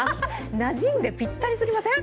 なじんで、ぴったりすぎません？